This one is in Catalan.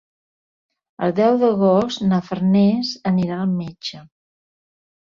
El deu d'agost na Farners anirà al metge.